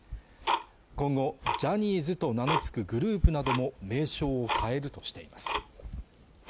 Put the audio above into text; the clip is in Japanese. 今後、ジャニーズと名の付くグループなども名称を変えるとしています